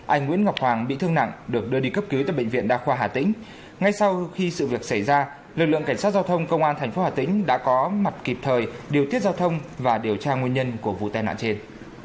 anh nguyễn ngọc hoàng bị thương nặng được đưa đi cấp cứu tại bệnh viện đa khoa hà tĩnh ngay sau khi sự việc xảy ra lực lượng cảnh sát giao thông công an tp hà tĩnh đã có mặt kịp thời điều tiết giao thông và điều tra nguyên nhân của vụ tai nạn trên